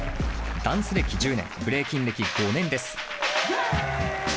ダンス歴１０年ブレイキン歴５年です。